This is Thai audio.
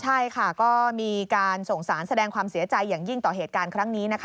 ใช่ค่ะก็มีการส่งสารแสดงความเสียใจอย่างยิ่งต่อเหตุการณ์ครั้งนี้นะคะ